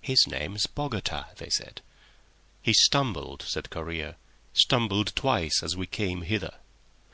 "His name's Bogota," they said. "He stumbled," said Correa—"stumbled twice as we came hither."